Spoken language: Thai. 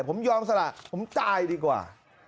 ผมยอมสละผมตายดีกว่า